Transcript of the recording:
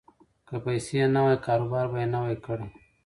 که پیسې یې نه وی، کاروبار به یې نه کړی وای.